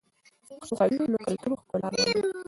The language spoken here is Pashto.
که پښتو قوي وي، نو کلتوري ښکلا به ونه مري.